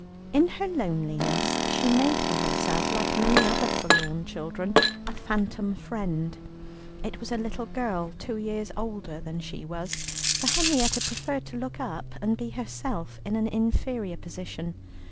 In her loneliness she made for herself, like many other forlorn children, a phantom friend. It was a little girl two years older than she was, for Henrietta preferred to look up, and be herself in an inferior position.